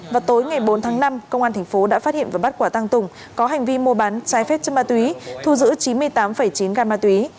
vào tối ngày bốn tháng năm công an tp đã phát hiện và bắt quả tăng tùng có hành vi mua bán trái phép chân ma túy thu giữ chín mươi tám chín g ma túy